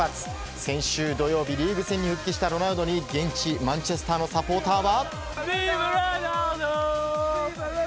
先週土曜日リーグ戦に復帰したロナウドに現地マンチェスターのサポーターは。